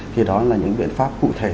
thì đó là những biện pháp cụ thể